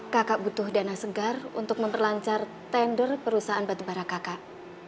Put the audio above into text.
kakak butuh dana segar untuk memperlancar tender perusahaan batubara kakak